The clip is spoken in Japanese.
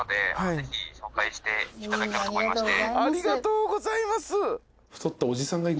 ありがとうございます。